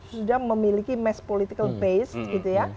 sudah memiliki mass political base gitu ya